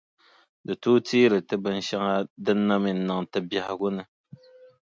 Di tooi teeri ti binʼ shɛŋa din na mi n-niŋ ti biɛhigu ni.